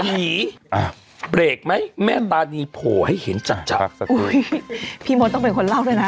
หี่อ่าเปรกไหมแม่ตานีโผล่ให้เห็นจักรจักรสักทีอุ้ยพี่มนต์ต้องเป็นคนเล่าด้วยนะฮะ